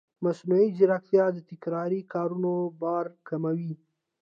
مصنوعي ځیرکتیا د تکراري کارونو بار کموي.